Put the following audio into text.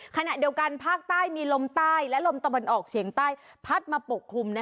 ขณะเดียวกันภาคใต้มีลมใต้และลมตะวันออกเฉียงใต้พัดมาปกคลุม